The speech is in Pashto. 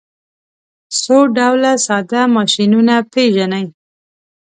څو ډوله ساده ماشینونه پیژنئ.